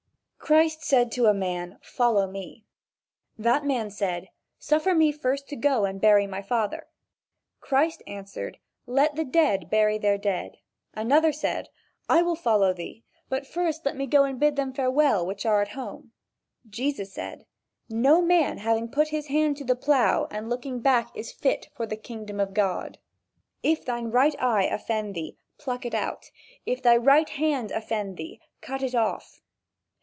Christ said to a man: "Follow me." The man said: "Suffer me first to go and bury my father." Christ answered: "Let the dead bury their dead." Another said: "I will follow thee, but first let me go bid them farewell which are at home." Jesus said: "No man having put his hand to the plough, and looking back is fit for the kingdom of God. If thine right eye offend thee pluck it out. If thy right hand offend thee cut it off."